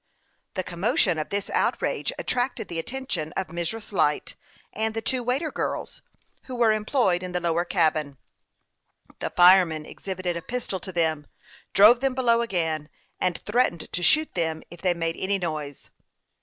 The commotion of this outrage attracted the atten tion of Mrs. Light and the two waiter girls, Avho were employed in the lower cabin. The fireman exhibited a pistol to them, drove them below again, and threat ened to shoot them if they made any noise.